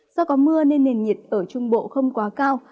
do có mưa nên nền nhiệt ở trung bộ không quá cao